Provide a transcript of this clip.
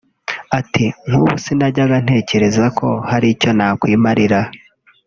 Ati “Nk’ubu sinajyaga ntekereza ko hari icyo nakwimarira